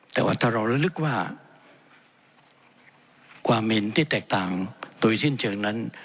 แต่ว่าถ้าเราระลึกว่าความเห็นที่แตกต่างโดยสิ้นเชิงนั้น